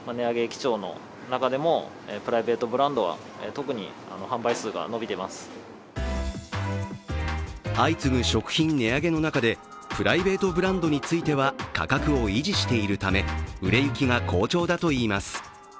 こうした中、売れているのが相次ぐ食品値上げの中で、プライベートブランドについては価格を維持しているため売れ行きが好調だといいます。